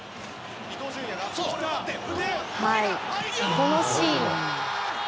このシーン。